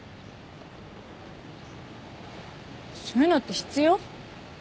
そういうのって必要？